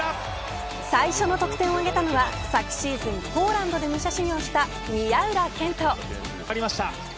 最初の得点を挙げたのは昨シーズン、ポーランドで武者修行した宮浦健人。